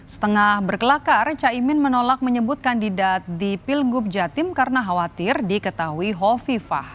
setengah berkelakar caimin menolak menyebut kandidat di pilgub jatim karena khawatir diketahui hovifah